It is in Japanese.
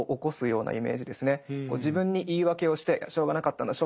自分に言い訳をして「しょうがなかったんだ。